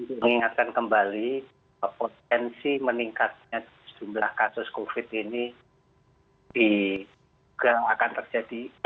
mengingatkan kembali potensi meningkatnya jumlah kasus covid ini juga akan terjadi